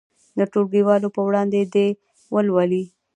د ټولګیوالو په وړاندې دې ولولي.